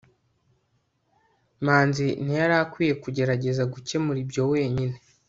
manzi ntiyari akwiye kugerageza gukemura ibyo wenyine